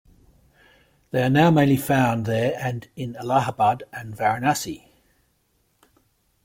They are now mainly found there and in Allahabad and Varanasi.